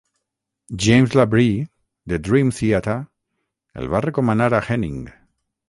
James LaBrie, de Dream Theater, el va recomanar a Henning.